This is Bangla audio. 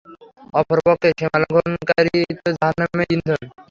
অপরপক্ষে সীমালংঘনকারী তো জাহান্নামেরই ইন্ধন!